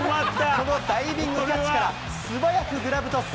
このダイビングキャッチから、素早くグラブトス。